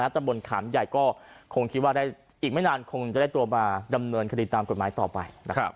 ตำบลขามใหญ่ก็คงคิดว่าได้อีกไม่นานคงจะได้ตัวมาดำเนินคดีตามกฎหมายต่อไป